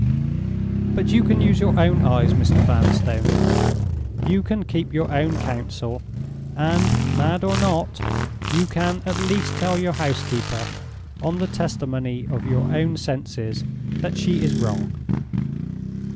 But you can use your own eyes, Mr. Vanstone; you can keep your own counsel; and—mad or not—you can at least tell your housekeeper, on the testimony of your own senses, that she is wrong.